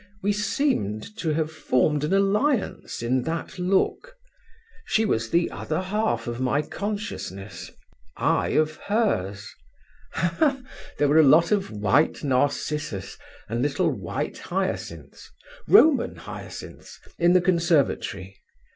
We seemed to have formed an alliance in that look: she was the other half of my consciousness, I of hers. Ha! Ha! there were a lot of white narcissus, and little white hyacinths, Roman hyacinths, in the conservatory.